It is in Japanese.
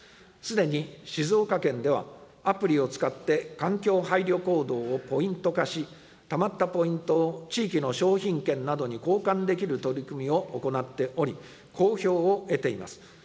すでに静岡県では、アプリを使って環境配慮行動をポイント化し、たまったポイントを地域の商品券などに交換できる取り組みを行っており、好評を得ています。